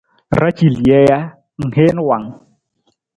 Ra ci lija ja, ng heen wang?